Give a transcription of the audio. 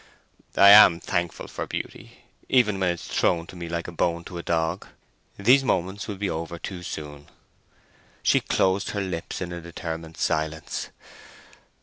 "I am thankful for beauty, even when 'tis thrown to me like a bone to a dog. These moments will be over too soon!" She closed her lips in a determined silence.